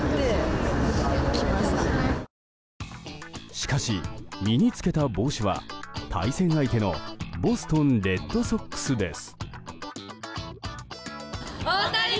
しかし、身に着けた帽子は対戦相手のボストン・レッドソックスです。